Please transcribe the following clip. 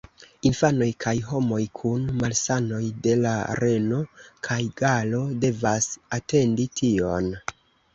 Infanoj kaj homoj kun malsanoj de la reno kaj galo devas atendi tion.